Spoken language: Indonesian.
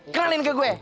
kenalin ke gue